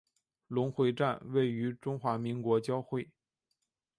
回龙站位于中华民国交会。